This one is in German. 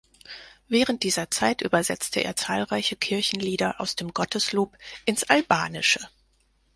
Während dieser Zeit übersetzte er zahlreiche Kirchenlieder aus dem Gotteslob ins Albanische.